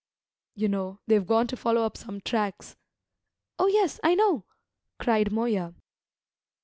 "You know, they've gone to follow up some tracks " "Oh, yes, I know!" cried Moya.